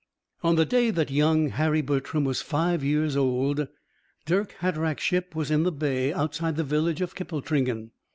On the day that young Harry Bertram was five years old, Dirck Hatteraick's ship was in the bay outside the village of Kippletringan.